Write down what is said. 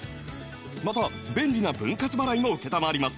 また便利な分割払いも承ります